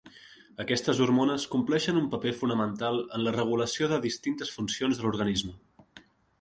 Aquestes hormones compleixen un paper fonamental en la regulació de distintes funcions de l'organisme.